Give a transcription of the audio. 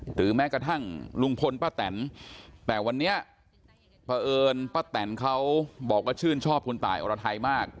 หรือแม้กระทั่งลุงพลป้าแตนแต่วันนี้พระเอิญป้าแตนเขาบอกว่าชื่นชอบคุณตายอรไทยมาก